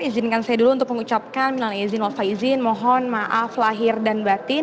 izinkan saya dulu untuk mengucapkan minal izin walfa izin mohon maaf lahir dan batin